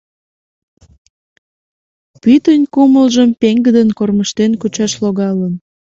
Пӱтынь кумылжым пеҥгыдын кормыжтен кучаш логалын.